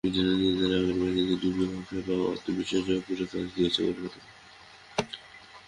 ইডেনে নিজেদের আগের ম্যাচে দিল্লির বিপক্ষে পাওয়া আত্মবিশ্বাসটা জয়পুরেও কাজে দিয়েছে কলকাতাকে।